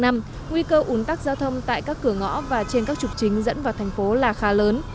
nguy cơ ủn tắc giao thông tại các cửa ngõ và trên các trục chính dẫn vào thành phố là khá lớn